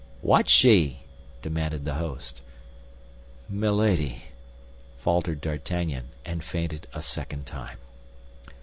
"What she?" demanded the host. "Milady," faltered D'Artagnan, and fainted a second time.